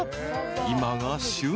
［今が旬］